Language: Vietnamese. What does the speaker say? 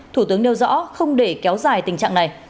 thủ tướng nêu rõ không để kéo dài tình trạng này